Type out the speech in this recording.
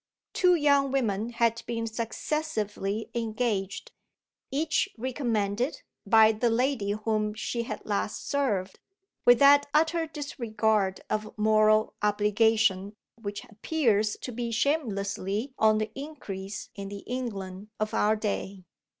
Two young women had been successively engaged each recommended, by the lady whom she had last served, with that utter disregard of moral obligation which appears to be shamelessly on the increase in the England of our day.